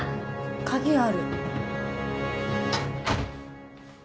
鍵ある。